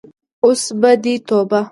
اوس به دې توبه.